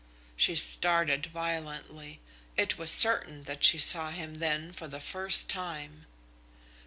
She started violently. It was certain that she saw him then for the first time.